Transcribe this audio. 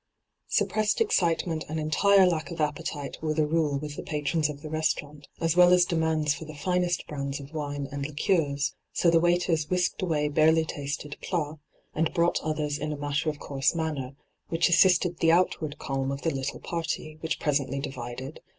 Suppressed excitement and entire lack of appetite were the rule with the patrons of the restaurant, as well as demands for the finest brands of wine and liqueurs, so the waiters whisked away barely tasted plats, and brought others in a matter of course manner, which assisted the outward calm of the little party, which presently divided.